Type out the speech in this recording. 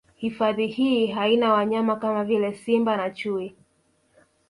Hifadhi hii haina wanyama kama vile Simba na Chui